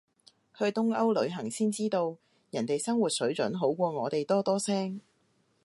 去東歐旅行先知道，人哋生活水準好過我哋多多聲